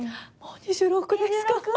もう２６ですか！